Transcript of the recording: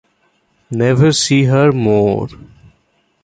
Never see her more.